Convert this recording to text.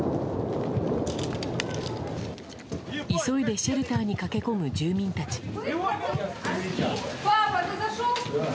急いでシェルターに駆け込む住民たち。